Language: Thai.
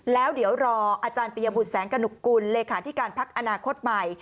แล้วเดี๋ยวรออาจารย์ปียบุตรแสงกระหนุกกุลเลขาธิการพักอนาคตใหม่